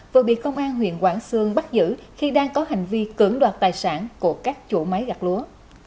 vừa bị công an huyện quảng sương bắt giữ khi đang có hành vi cưỡng đoạt tài sản của các chủ máy gặt lúa